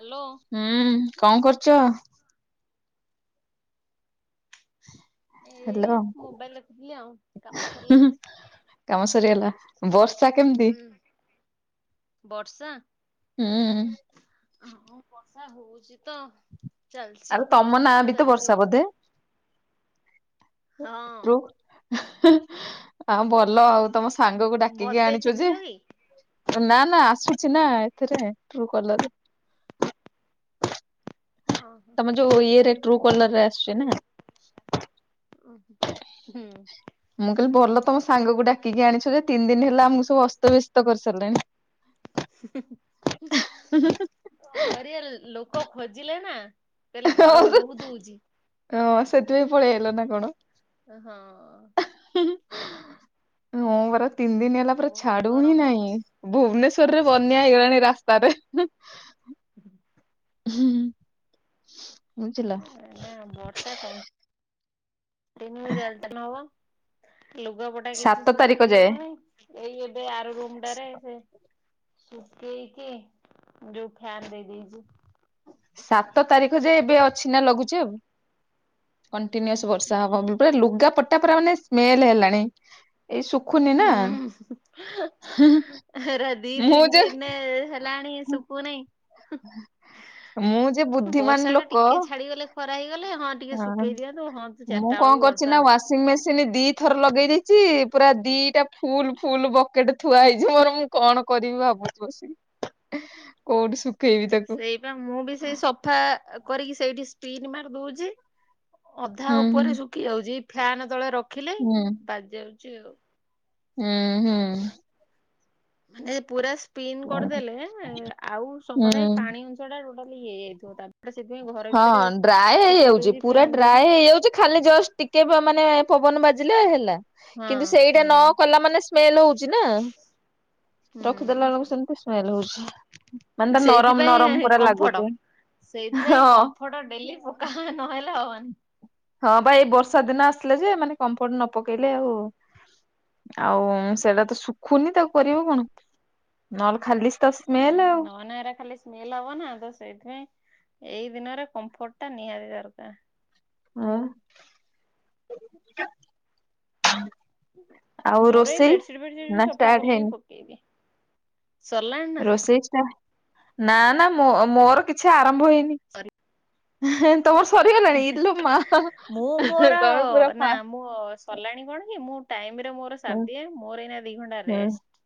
Hello. ହୁଁ କ କରୁଚ? ଏ ହ୍ୟାଲୋ ମୋବାଇଲି ଦେଖୁଥିଲି ଆଉ କାମ ହୁଁ ସରିଲା। ହୁଁ କାମ ସରିଗଲା? ବର୍ଷା କେମିତି? ହୁଁ ବର୍ଷା? ହୁଁ। ହଁ ବର୍ଷା ହୋଉଚି ତ ଚାଲିଚି ଆରେ ତମ ନାଁ ସକାଳୁ ବି ତ ଚାଲିଚି ବର୍ଷା। ବୋଧେ? ହଁ ଭଲ ଆଉ ତମ ସାଙ୍ଗକୁ ଡାକିକି ମତେ ଆଣିଛ ଚିହ୍ନିଛ ଯେ କି? ନା ନା ଆସୁଛି ନା ଏଥିରେ ଟ୍ରୁ କଲର ରେ। ଓହୋ। ତମ ଯୋଉ ଇଏରେ ଟ୍ରୁ କଲର ରେ ଆସୁଛି ନା। ଉ ହୁଁ। ହୁଁ। ମୁଁ କହିଲି ଭଲ ତମ ସାଙ୍ଗକୁ ଡାକିକି ଆଣିଛ। ଯେ ତିନି ଦିନ ହେଲା ଆମକୁ ସବୁ ଅସ୍ତବ୍ୟସ୍ତ କରିସାରିଲେଣି। ହ କଣ କରିବା ଲୋକ ଖୋଜିଲେ ନା କହିଲେ ଗରମ ବହୁତ ହଉଛି ଓଁ ସେଥିପାଇଁ ପଳେଇ ଆଇଲ ନା କଣ ହଁ ହଁ ପରା ତିନ ଦିନ ହେଲା ପରା ବହୁତ ଛାଡୁ ହି ଗରମ ନାହିଁ ହଉଛି। ଭୁବନେଶରରେ ବନ୍ୟା ହେଇଗଲାଣି ରାସ୍ତାରେ ହୁଁ ହୁଁ ବୁଝିଲ। ବର୍ଷା କଣ [unintelligible] ଲ ନ ଲୁଗା ପ [unintelligible] ଏଇନା କିଛି ସାତ ତାରିଖ ଶୁଖେଇ ଯାଏ ହଉନି ଏଇ ଏବେ ଆର ରୁମ ଟାରେ ସେ ସୁଖେଇ କି ଯୋଉ ଫିଆନ ଦେଇ ଦେଇେଇଛି ସାତ ତାରିଖ ଯେ ଏବେ ଅଛି ନା ଲଘୁଚାପ ଆଉ କଣ୍ଟିନ୍ୟୁଅସ ବର୍ଷା ହବ ହୁଁ। ପୁରା ଲୁଗା ପଟା ପୁରା ମାନେ ସ୍ମେଲ ହେଲାଣି ଏଇ ଶୁଖୁନି ନା ହଁ ରାଧି [inaudible] ଦିି ମୁଁ ଯେ ଏ ଲା ଶୁଖୁହି ମୁଁ ଯେ ବୁଦ୍ଧିମାନ ବର୍ଷା ଟା ଲୋକ ଟିକେ ଛାଡିଗଲେ ଖରା ହେଇଗଲେ ହଁ ଟିକେ ଶୁଖେଇ ଦିଅନ୍ତୁ ହଁନ୍ତୁ ଚାରିଟା ବେଳକୁ ବର୍ଷା ହଉ ସେ ମେସିନ୍ ଦି ଥର ଲଗେଇ ଦେଇଛି ପୁରା ଦିଟା ଫୁଲ ଫୁଲ ବକେଟ ଥୁଆ ହେଇଛି ମୋର କଣ କରିବି ଭାବୁଛି ବସିକି କୋଉଠି ଶୁଖେଇବି ତାକୁ ହଁ ମୁଁ ବି ସେଇ ସଫା କରିକି ସେଇ ସ୍ପିନ୍ ମାରି ଦଉଛି ଅଧା ହୁଁ ଉପରେ ଶୁଖି ଯାଉଛି ଫ୍ୟାନ ତଳେ ରଖିଲେ ହୁଁ ବାଜି ଯାଉଛି ଆଉ ହୁଁ ହୁଁ ମାନେ ପୁରା ସ୍ପିିନ ହୁଁ କରିଦେଲେ ଆଉ ସମାନେ ହୁଁ। ପାଣି ଟା ଟୋଟଲି ହେଇଇ [inaudible] ହଁ ଡ୍ରାଏ ହେଇଯାଉଛି ପୁରା ଦେଇକି ଡ୍ରାଏ ହେଇଯାଉଛି ଖାଲି ଜଷ୍ଟ ଟିକେ ମାନେ ପବନ ବାଜିଲେ ହେଲା ହଁ କିନ୍ତୁ ସେଇଟା ହୁଁ। ନ କଲା ମାନେ ସ୍ମେଲ ହଉଛି ନା ରଖିଦେଲା ହୁଁ ବେଳକୁ ସେମିତି ଉଛି ମାନେ ତା ନରମ ନରମ ସେଇଥିପାଇଁ ପା କମ୍ଫଟ। ଲାଗୁଛି ସେଇଥିପାଇଁ ହଁ। କମ୍ଫର୍ଟ ଡେଲି ପକା ନହେଲା ହବନି ହଁ ବା ଏଇ ବର୍ଷା ଦିନ ଆସିଲେ ଯେ ମାନେ କମ୍ଫର୍ଟ ନ ପକେଇଲେ ଆଉ ଆଉ ସେଇଟା ତ ଶୁଖୁନି ତାକୁ କରିବ କଣ ନହଲେ ଖାଲି ତ ଉୁଁ ସ୍ମେଲ ଆଉ ନ ଏରା ଖାଲି ସ୍ମେଲ ହବ ନା ତ ସେଇଥିପାଇଁ ଏଇ ଦିନରେ କମ୍ଫର୍ଟ ଟା ନିହାତି ଦରକାର ହଁ ମୋର ଏଇ ବେଡସିଟ ବେସି ନା ସଫା ଷ୍ଟାର୍ଟ କଲି ହେଇନି ପକେଇବି ସରିଲାଣି ନା ରୋଷେଇା ନା ନା ମୋର କିଛି ଆରମ୍ଭ ହେଇନି ସାର ତମର ସରିଗଲାଣି ଇଲ ମା ମୁଁ ତମେ ମୋର ପୁରା ନା ଫାଷ୍ଟ ମୁଁ ସରିଲାଣି କଣ କି ମୁଁ ଟାଇମରେ ମୋର ସାରି ହୁଁ ଦିଏ ମୋର ଏଇନା ଦି ଘଣ୍ଟା ହୁଁ ରେଷ୍ଟ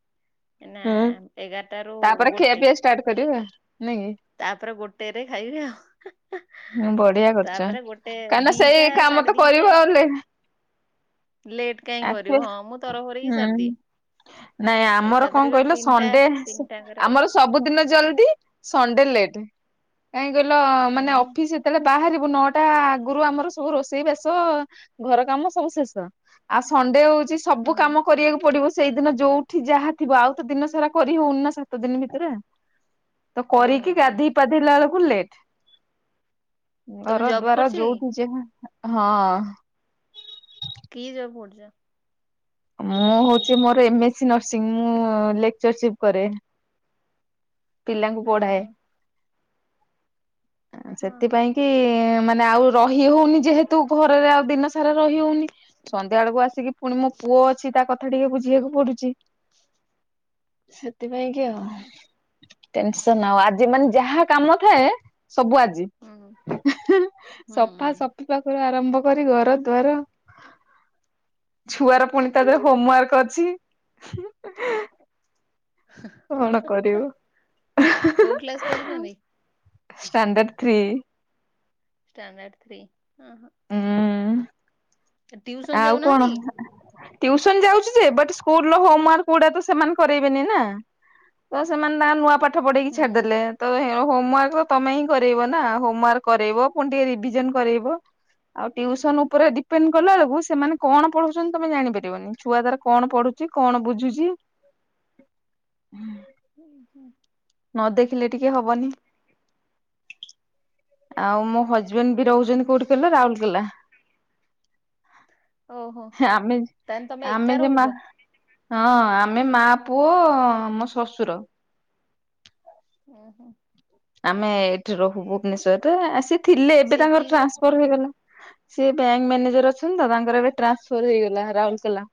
ନା ହୁଁ ଏଗାରଟା ରୁ ତାପରେ ଖିଆ ଗୋଟେ ପିଇଆ ଷ୍ଟାର୍ଟ କରିବା ନାଇଁ କି ତାପରେ ଗୋଟେରେ ଖାଇବ ଆଉ ହୁଁ ବଢିଆ କରିଛ ତାପରେ ଗୋଟେ ଦିଟା ସାଢେ ଦିଟା ହ ଲେଟ୍ କାଇହିଁ କରିବୁ ହଁ ମୁଁ ତରବର ହେଇ ହୁଁ ସାରିଦିଏ ନାଇଁ ଆମର କଣ ଏକାଥରକରେ କହିଲ ତିନିଟା ସଣ୍ଡେ ତିନିଟାଙ୍କରେ ବସ ଆମର ସବୁଦିନ ଜଲଦି ସଣ୍ଡେ ଲେଟ୍ କାହିଁ କହିଲ ମାନେ ହୁଁ ସେତେବେଳେ ବାହାରିବୁ ନଅଟା ଆଗରୁ ଆମର ସବୁ ରୋଷେଇ ବେଶ ଘର କାମ ସବୁ ଶେଷ। ଆଉ ସଣ୍ଡେ ହଉଛି ସବୁ ହୁଁ କାମ କରିବାକୁ ପଡିବ। ସେଇଦିନ ଯୋଉଠି ଯାହା ଥିବ ଆଉ ତ ଦିନ ସାରା କରି ହଉନି ନା ସାତ ଦିନ ଭିତରେ। ତ ହୁଁ କରିକି ଗାଧେଇ ପାଧେଇଲା ବେଳକୁ ଲେଟ୍। ତମେ ଘର ଜବ୍ ଦ୍ୱାର କରୁଛ କି ଯୋଉଠି ଯାହା ହଁ। କି ଯବ ପର୍ଜା ମୁଁ ହଉଛି ମୋର ଏମ ଏସି ନର୍ସିଂ ମୁଁ ଲେକ୍ଚରସିପ କରେ। ପିଲାଙ୍କୁ ହଁ ପଢାଏ। ହଁ ହଁ ହଁ ସେଥିପାଇଁ କି ମାନେ ଆଉ ରହି ହଉନି ଯେହେତୁ ଘରେରେ ଆଉ ଦିନ ସାରା ରହି ହଉନି ସନ୍ଧ୍ୟା ବେଳକୁ ଆସିକି ପୁଣି ମୋ ପୁଅ ଅଛି ତା କଥା ଟିକେ ବୁଝିବାକୁ ପଡୁଛି। ହ ସେଥିପାଇଁ କି ଆଉ ଟେନସନ ଆଉ ଆଜି ମାନେ ଯାହା କାମ ନଥାଏ ସବୁ ଆଜି। ହଁ ହିଁ ହୁଁ ସଫା ହୁଁ ସଫ ପାଖରୁ ଆରମ୍ଭ କରି ଘର ଦ୍ୱାର ଛୁଆର ପୁଣି ତା ଦେହରେ ହୋମ ୱାର୍କ ଅଛି। କଣ କରିବୁ ହଃ ହଃ। କୋଉ କ୍ଲାସ ପଢୁଛନ୍ତି? ଷ୍ଟାଣ୍ଡର୍ଡ ଥ୍ରୀ ଷ୍ଟାଣ୍ଡଥ୍ରୀ ଅହ ଉଁ ସେ ଟ୍ୟୁସନ ଯାଉନାହାନ୍ତି? ଟ୍ୟୁସନ ଯାଉଛି ଯେ ବଟ୍ ସ୍କୁଲ ହୋମ ୱାର୍କ ଗୁଡା ତ ସେମାନେ କରେଇବେନି ନା। ତ ସେମାନେ ତାଙ୍କ ନୂଆ ପାଠ ପଢେଇକି ଛାଡିଦେଲେ ହୁଁ। ତହେ ହୋମ ୱାର୍କ ତମେ ହିଁ କରାଇବ ନା ହୋମ ୱାର୍କ କରାଇବ ପୁଣି ଟିକେ ରିଭିଜନ କରେଇବ। ଆଉ ଟ୍ୟୁସନ ଉପରେ ଡିପେଣ୍ଡ କଲା ବେଳକୁ ସେମାନେ କଣ ପଢୁଛନ୍ତି ତମେ ଜାଣିପାରିବନି ଛୁଆ ତାର କଣ ପଢୁଛି କଣ ବୁଝୁଛି। ହୁଁ। ଉ ହୁଁ। ନ ଦେଖିଲେ ଟିକେ ହବନି ଆଉ ମୋ ହଜବେଣ୍ଡ ବି ରହୁଛନ୍ତି କୋଉଠି କିଲ ରାଉଲକେଲା। ଓହୋ ଆମେ ତାହେଲେ ତମେ ଏକା ଆମେ ଯେ ମା ରହୁଛ ହଁ ଆମେ ମା ପୁଅ ଆମ ଶଶୁର ଓ ହୋ। ଆମେ ଏଇଠି ରହୁ ଭୁବନେଶ୍ୱରରେ ଆସି ଥିଲେ ଏବେ ସିଏ କି ତାଙ୍କର ଜବ୍ ଟ୍ରାନ୍ସଫର କରୁଛନ୍ତି? ହେଇଗଲା। ସେି ବ୍ୟାଙ୍କ ମ୍ୟାନେଜର ଅଛନ୍ତି ତ ତାଙ୍କର ଏବେ ଟ୍ରାନ୍ସଫର ହେଇଗଲା ରାଉଲକେଲା।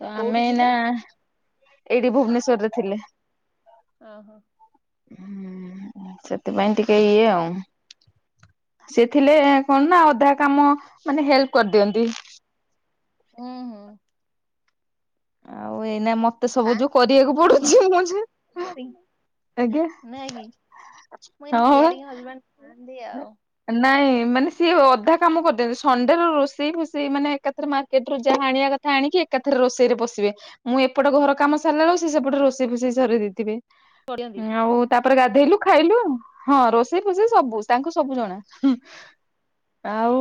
ତ ଆମେ କୋଉଠି ଏଇନା ଥିଲେ ଏଇଠି ଭୁବନେଶ୍ଵରରେ ଥିଲେ। ଓହୋ। ହୁଁ ସେଥିପାଇଁ ଟିକେ ଇଏ ଆଉ। ସେଥିଲେ କଣ ନା ଅଧା କାମ ମାନେ ହେଲ୍ପ କରି ଦିଅନ୍ତି। ହୁଁ ହୁଁ। ଆଉ ଏଇନା ମତେ ଏ ସବୁ ଯୋଉ ଥାନ୍ତି କରିବାକୁ ପଡୁଛି ହଜବେଣ୍ଡ ମଝ କେୟାରିଂ ଆଜ୍ଞା। ନାଇଁ କି ହଁପା। ହନ୍ତିି ଆଉ। ନାଇଁ ମାନେ ସିଏ ଅଧା କାମ କରିଦିଅନ୍ତି ସଣ୍ଡେ ରୋଷେଇ ଫୋଷେଇ ମାନେ ଏକାଥରେ କେଟରୁ ଯାହା ହାଣିବା କଥା ଆଣିକି ଏକାଥରେ ରୋଷେଇରେ ପଶିବେ ମୁଁ ଏପଟେ ଘର କାମ ସାରିଲାବେଳକୁ ସିଏ ସେପଟେ ରୋଷେଇ ଫୋଷେଇ ସରେଇ ଦେଇଥିବେ କରିଛନ୍ତି। ଆଉ ତାପରେ ଗାଧେଇଲୁ ଖାଇଲୁ ହଁ ରୋଷେଇ ଫୋଷେଇ ସବୁ ତାଙ୍କୁ ସବୁ ଜଣା ଆଉ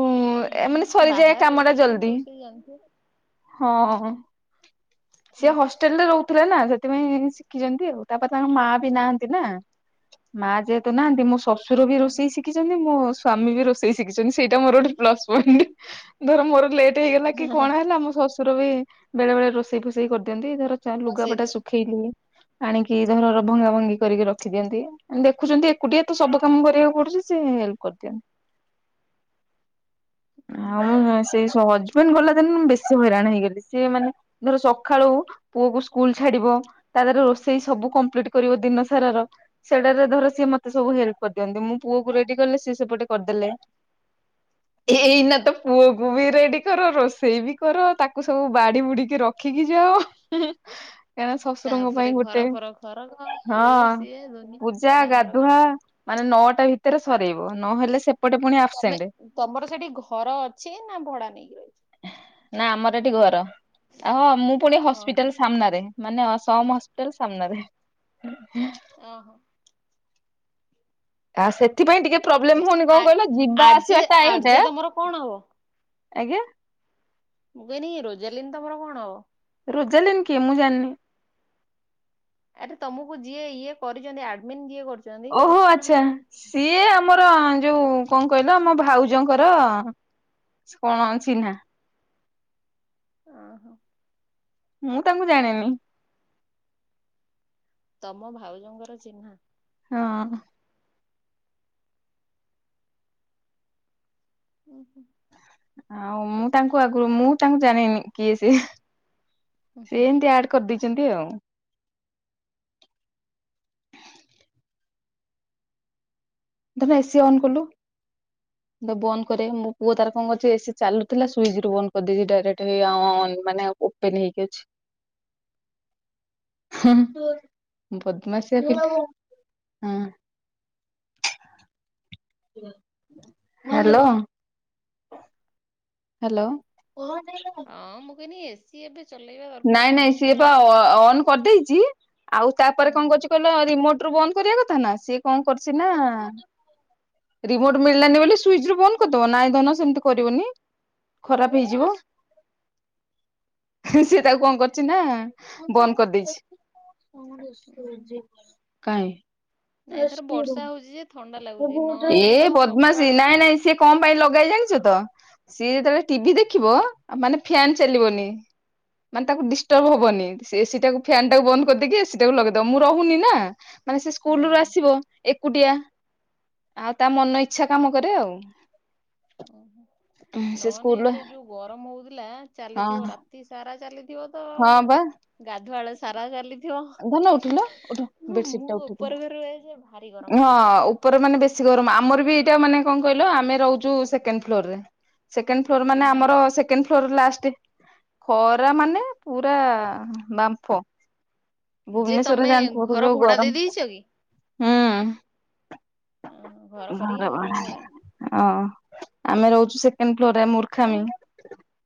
ହଁ ଏମାନେ ସରିଯାଏ ବାହାରେ କାମ ଟା ରହୁଛନ୍ତି ମାନେ ଜଲଦି ରୋଷେଇ ଜାଣିଥିବେ ହଁ। ସିଏ ହୁଁ, ହଷ୍ଟେଲ ରେ ରହୁଥିଲେ ନା ସେଥିପାଇଁ ଶିଖିଛନ୍ତି ଆଉ ତାପରେ ତାଙ୍କ ମା ବି ନାହାନ୍ତି ନା। ମା ଯେହେତୁ ନାହାନ୍ତି ମୁଁ ଶଶୁର ବି ଓହୋ ରୋଷେଇ ଶିଖିଛ ଯେମିତି ମୋ ସ୍ଵାମୀ ବି ରୋଷେଇ ଶିଖିଛନ୍ତି ସେଇଟା ମୋର ଗୋଟେ ପ୍ଲସ ପଏଣ୍ଟ ଧର ମୋର ଲେଟ୍ ହେଇଗଲା କି କଣ ହେଲା ମୋ ଶଶୁର ବି ବେଳେ ବେଳେ ରୋଷେଇ ଫୋଷେଇ କରିଦିଅନ୍ତି ଧର ବସେଇ ଲୁଗାପଟା ଦିଅ। ସୁ ଖିଲି ଆଣିକି ଧର ଭଙ୍ଗା ଭଙ୍ଗି କରିକି ରଖିଦିଅନ୍ତି। ଦେଖୁଛନ୍ତି ଏକୁଟିଆ ତ ସବୁ କାମ କରିବାକୁ ପଡୁଛି ସେ ହେଲ୍ପ କରିଦିଅନ୍ତି। [inaudible] ହୁଁ ଆଉ ସେଇ ହଜବେଣ୍ଡ ଗଲା ଦିନୁ ବେଶୀ ହଇରାଣ ହେଇଗଲି ସିଏ ମାନେ ଧର ସକା ସକାଳୁ ପୁଅକୁ ସ୍କୁଲ ଛାଡିବ ତା ଦେହରେ ରୋଷେଇ ସବୁ କମ୍ପ୍ଲିଟ କରିବ ଦିନ ସାରାର ସେଟାରେ ଧର ସିଏ ମତେ ସବୁ ହେଲ୍ପ କରିଦିଅନ୍ତି ମୁଁ ପୁଅ କୁ ରେଡି କଲେ ସିଏ ସେପଟେ କରିଦେଲେ। ହୁଁ ଏଇନାତ। ପୁଅକୁ ବି ରେଡି କର ରୋଷେଇ ବି କର ତାକୁ ସବୁ ବାଡି ବୁଡିକି ରଖି [inaudible] ଏଁ ଶଶୁରଙ୍କ ପାଇଁ ତାପରେ ଘର ଗୋଟେ ଫର ଖରକ ଇଏ ହଁ ସିଏ ଦୁନିଆ ପୂଜା ଘର ଡାଙ୍ଗର କାମ ଗାଧୁଆ ମାନେ ନଅଟା ଭି ଭିତରେ ସରେଇବ ନହେଲେ ସେପଟେ ପୁଣି ତମେ ଅପସେଣ୍ଟ। ତମର ସେଠି ଘର ଅଛି ନା ଭଡା ନେଇକି ରହିଛ ନା ଆମର ଏଠି ଘର। ଆହଁ ମୁଁ ପୁଣି ଓହୋ। ହସ୍ପିଟାଲ ସାମ୍ନାରେ ମାନେ ସମ ହସ୍ପିଟାଲ ସାମ୍ନାରେ। ଅହ। ଆ ସେଥିପାଇଁ ଟିକେ ପ୍ରୋବ୍ଲେମ ହଉନି ଆ କଣ କହିଲ ଯିବା ଆର୍ଜେ ଆସିବା ଟାଇମ ଟା। ଆର୍ଜେ ତମର କଣ ହବ? ଆଜ୍ଞା। ମୁଁ କହଲି ରୋଜାଲିନ ତମର କଣ ହବ। ରୋଜାଲିନି କିଏ ମୁଁ ଜାଣିନି। ଆରେ ତମକୁ ଯିଏ ଇଏ କରିଛନ୍ତି ଆଡମିନ ଯିଏ କରି ଓହୋ ଆଚ୍ଛା ସିଏ ଆମର ଯୋଉ କଣ କହିଲ ଆମ ଭାଉଜଙ୍କର କଣ ଅଛିନା। ଅଁ ହଁ। ମୁଁ ତାଙ୍କୁ ଜାଣିନି। ତମ ଭାଉଜଙ୍କର ଚିହ୍ନା। ହଁ। ଉଁ ହୁଁ। ଆଉ ମୁଁ ତାଙ୍କୁ ଆଗରୁ ମୁଁ ତାଙ୍କୁ ଜାଣିନି କିଏ ସିଏ ହୁଁ ହୁଁ ସିଏ ଏମତି ଆଡ କରିଦେଇଛନ୍ତି ଆଉ। ଦିବ୍ୟ ଏସିି ଅନ୍ କଲୁ। ମୁଁ ତାକୁ ବନ୍ଦ କରେ ମୋ ପୁଅ ତାର କଣ କରଛି ଏସି ଚାଲୁଥିଲା ସୁଇଚ ରୁ ବନ୍ଦ କରିଦେଇଛି ଡାଇରେକ୍ଟ ହେଇ ଅନ ମାନେ ଉ [unintelligible] ହେଇକି ଅଛି। ହଁ ବଦମସିଆ ପିଲା ହଁ। ହାଲୋ। ହାଲୋ। ଅଁ ମୁଁ କହିନେଇ ଇଏସ। ସିଏ ଏବେ ଚଲେଇବେ ବା। ନାଇଁ ନାଇଁ ସିଏ ପା ଅନ୍ କରିଦେଇଛି ଆଉ ତାପରେ ଉଁ କଣ କରୁଚି କହିଲୁ। ତ ରିମୋଟ ରୁ ବନ୍ଦ କରିବା କଥା ନା ସିଏ କଣ କରିଛିନା ରିମୋଟ ମିଳିଲାନି ବୋଲି ସୁିଚ ରୁ ବନ୍ଦ କରିଦବ ନାଇଁ ଧନ ସେମିତି କରିବନି ଖରାପ ହେଇଯିବ। ସି ତାକୁ କଣ କରିଛି ନା ବନ୍ଦ ଉଁ ହୁଁ କରିଦେଇଛି। କାଇଁ। ନାଇଁ ଏଥର ବର୍ଷା ହଉଛି ଯେ ଥଣ୍ଡା ଲାଗୁଛି ନ ନାଇଁ ଏ ତ ବଦମାସି ସକାଳୁ ନାଇଁ ସେ କଁ ପାଇଁ ଲଗେଇ ଜାଣିଛ ତ ସିଏ ଯେତେବେଳେ ଟିଭି ଦେଖିବ ମାନେ ଫ୍ୟାନ ଚାଲିବନି। ମାନେ ତାକୁ ଡିଷ୍ଟର୍ବ ହବନି ଏସିି ଟାକୁ ଫ୍ୟାନ ଟାକୁ ବନ୍ଦ କରିଦେଇକି ଏସି ଟାକୁ ଲଗେଇଦବ ମୁଁ ରହୁନି ନା। ମାନେ ସେ ସ୍କୁଲୁ ହୁଁ ଆସିବ ଏକୁଟିଆ ଆଉ ତା ମନ ଇଚ୍ଛା କାମ କରେ ଆଉ। ଓହୋ ନ ସେ ହେଲେ ସ୍କୁଲ ଏବେ ଯୋଉ ଗରମ ହଉଥିଲା ହଁ ଚାଲିଥିବ ରାତି ସାରା ଚାଲିି ଥିବ ତ ହଁ ବା ଗାଧୁଆଳ ସାରା ଚାଲି ଥିବ। ଧନ ଉଠିଲ ଉଠ ବେଡସିଟ ମୁଁ ଟା ଉଠେଇଦେ ଉପର ଘରେ ଯେ ଭାରି ଗରମ। ହଁ, ଉପରେ ମାନେ ବେଶୀ ଗରମ। ଆମର ବି ଏଇଟା ମାନେ କଣ କହିଲ ଆମେ ରହୁଛୁ ସେକେଣ୍ଡ ଫ୍ଲୋର ରେ? ସେକେଣ୍ଡ ଫ୍ଲୋର ମାନେ ଓହୋ ଆମର ସେକେଣ୍ଡ ଫ୍ଲୋର ଲାଷ୍ଟ। ଖରା ମାନେ ପୁରା ବାମ୍ଫ। ଯେ ଭୁବନେଶ୍ଵରରେ ତମେ ଜାଣିଥିବ ଘର ଯୋଉ ଭଡା ଦେଇ ଗରମ। ଦେଇଛ କି? ହଁ ଘର ଭଡା [unintelligible] ହଁ, ଆମେ ରହୁଛୁ ସେକେଣ୍ଡ ଫ୍ଲୋରରେ ମୁର୍ଖାମି।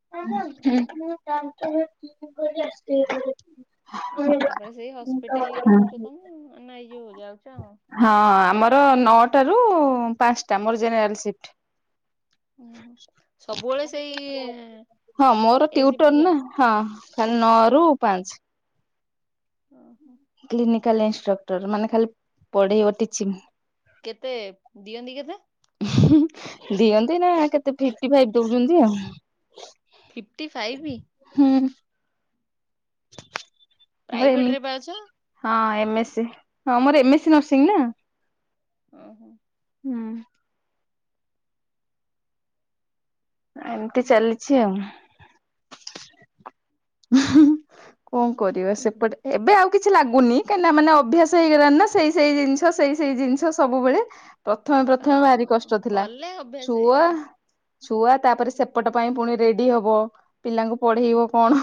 ତ ଆସି [unintelligible] ଆଉ ତାପରେ ସେଇ ହସ୍ପିଟାଲ ରେ ରହୁଛୁ ତମେ ନାଇଁ ଏଇ ଯଉ ହଉ ଯାଉଛୁ ଆଉ। ହଁ, ଆମର ନଅଟା ରୁ ପାଞ୍ଚଟା ମୋର ଜେନେରାଲ ସିଫ୍ଟ। ହଁ, ସବୁବେଳେ ସେଇ ହଁ ମୋର ଏ ଟ୍ୟୁଟର ସିଫଟି ନା ଯାଅ। ହଁ, ଖାଲି ନଅ ରୁ ପାଞ୍ଚ। ଓହୋ। କ୍ଲିନିକାଲ ଇନଷ୍ଟ୍ରକ୍ଟର ମାନେ ଖାଲି ପଢେଇବ ଟିଚିଗ। କେତେ ଦିଅନ୍ତି କେତେ? ଦିଅନ୍ତି ନା କେତେ ଫିପ୍ଟିଫାଇପ ଦଉଛନ୍ତି ଆଉ? Fifty five? ହୁଁ। ର ପ୍ରାଇଭେଟରେ ପା ଅଛ। ହଁ ଏମ୍ ସି ହଁ ମୋର ଏମ ସି ନର୍ସିଂ ନା। ଓହୋ। ହୁଁ। ଏମିତି ଚାଲିଛି ଆଉ। କଣ କରିବ ସେପଟେ ଏବେ ଆଉ କିଛି ଲାଗୁନି କାହିଁକିନା ମାନେ ଅଭ୍ୟାସ ହେଇଗଲାଣି ନା ସେଇ ସେଇ ଜିନିଷ ସେଇ ସେଇ ଜିନିଷ ସବୁବେଳେ। ପ୍ରଥମେ ପ୍ରଥମେ ଭାରି ହଁ କଷ୍ଟ ଥିଲା କଲେ ଅଭ୍ୟାସ ଛୁଆ ହେଇଯିବ ଛୁଆ ତାପରେ ସେପଟ ପାଇଁ ପୁଣି ରେଡି ହବ ପିଲାଙ୍କୁ ପଢେଇବ କଣ?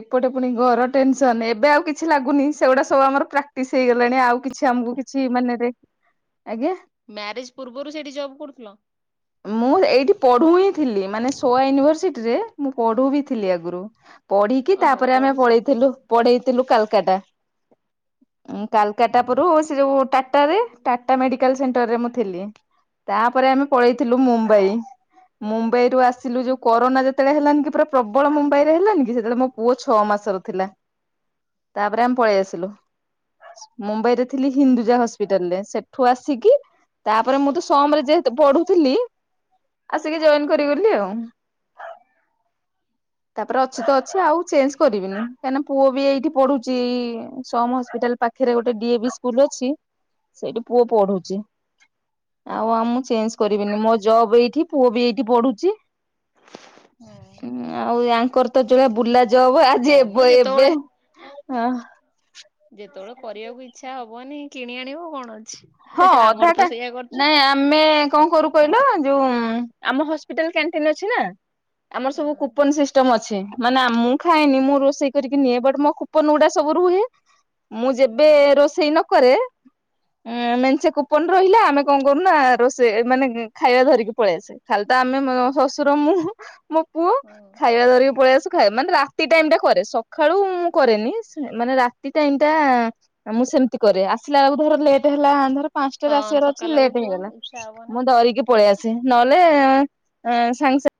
ଏପଟେ ପୁଣି ଘର ଟେନସନ ଏବେ ଆଉ କିଛି ଲାଗୁନି ସେଗୁଡା ସବୁ ଆମର ପ୍ରାକ୍ଟିସ ହେଇଗଲାଣି ଆଉ କିଛି ଆମକୁ ମ ଆଜ୍ଞା। ମ୍ୟାରେଜ ପୂର୍ବରୁ ସେଇଠି ଜବ୍ କରୁଥିଲ? ମୁଁ ଏଇଠି ପଢୁ ହିଁ ଥିଲି ମାନେ ସୋଆ ୟୁନିଭରସିଟି ରେ ମୁଁ ପଢୁ ବି ଥିଲି ଆଗରୁ। ପଢିକି ଓହୋ ତାପରେ ଆମେ ପଢୁଥିଲ। ପଳେଇଥିଲୁ ପଢେଇଥିଲୁ କାଲକା ଟା। ଓହୋ। କାଲକାଟା ପରୁ ସେ ଯୋଉ ଟା ଟା ରେ ଟାଟା ମେଡିକାଲ ସେଣ୍ଟରରେ ମୁଁ ଥିଲି। ତାପରେ ଆମେ ପଳେଇଥିଲୁ ମୁମ୍ବାଇ। ମୁମ୍ବାଇ ରୁ ଆସିଲୁ ଯୋଉ ଉଁ କରୋନା ଯେତେବେଳେ ହେଲାନି କି ପୁରା ପ୍ରବଳ ମୁମ୍ବାଇ ରେ ହେଲାନି କି ସେତେବେଳେ ମୋ ପୁଅ ଛଅ ମାସର ଥିଲା। ତାପରେ ଆମେ ପଳେଇ ଆସିଲୁ। ମୁମ୍ବାଇରେ ଥିଲି ହିନ୍ଦୁଯା ହସ୍ପି ସ୍ପିଟାଲରେ ସେଠୁ ଆସିକି ତାପରେ ମୁଁ ତ ସମ ରେ ଯେହେତୁ ପଢୁଥିଲି ଆସିକି ଜଏନ କରିଗଲି ଆଉ। ତାପରେ ଅଛି ତ ଅଛି ଆଉ ଚେଞ୍ଜ କରିବିନି କାହିଁକିନା ପୁଅ ବି ଏଇଠି ପଢୁ ଚି ସମ ହସ୍ପିଟାଲ ପାଖରେ ଗୋଟେ ଡିଏ ବି ସ୍କୁଲ ଅଛି। ସେଇଠି ପୁଅ ପଢୁଚି। ଆଉ ଆମ ମୁଁ ଚେଞ୍ଜ କରିବିନି ମୋ ଜବ ଏଇଠି ପୁଅ ବି ଏଇଠି ପଢୁଚି। ହୁଁ। ଆଉୟାଙ୍କର ତ ଚଳିଆ ବୁଲା ଜବ ହବ ଆଜି ହଁ ମ ଏବ ଏବେ ଯେତେବେଳେ ହ ଯେତେବେଳେ କରିବାକୁ ଇଚ୍ଛା ହବନି କିଣି ଆଣିବ କଣ ଅଛି। ହଁ ଆମର ଅଧାଟା ତ ସେଇଆ କରୁଛୁ। ନାଇଁ ଆ ଆମେ କଣ କରୁ କହିଲ ଯୋଉ ଆମ ହସ୍ପିଟାଲ କ୍ୟାଣ୍ଟିନ ଅଛି ନା। ଆମର ସବୁ ହଁ କୁପନ ସି ଷ୍ଟମ୍ ଅଛି ମାନେ ଆ ମୁଁ ଖାଏନି ମୁଁ ରୋଷେଇ କରିକି ନିଏ ବଟ୍ ମୋ କୁପନ୍ ଗୁଡା ସବୁ ରୁହେ। ମୁଁ ଯେବେ ରୋଷେଇ ନକରେ ଉଁ ମେଞ୍ଚେ କୁପନ ରହିଲା ଆମେ କଣ କରୁନା ରୋଷେଇ ମାନେ ଖାଇବା ଧରିକି ପଳେଇ ଆସେ। ଖାଲି ତ ଆମେ ମୋ ଶଶୁର ମୁଁ ହୁଁ ମୋ ପୁଅ ହଁ ଖାଇବା ଧରିକି ପଳେଇ ଆସୁ। ଖାଏ ମାନେ ରାତି ଟାଇମ ଟା କରେ ସଖାଳୁ ମୁଁ କରେନି ମାନେ ରାତି ଟାଇମ ଟା। ମୁଁ ସେମିତି କରେ ଆସିଲା ବେଳୁକୁ ପୁରା ଲେଟ୍ ହେଲା ପାନସ୍ ଟାରୁ ହଁ ଆସିବାର ଅଛି ଥକା ଲେଟ୍ ଲାଗୁଥିବ ହେଇଗଲା ଇଚ୍ଛା ହବନି। ମୁଁ ଧରିକି ପଳେଇ ଆସେ ନହେଲେ ଏ ସାଙ୍ଗେ ସାଙ୍ଗେ।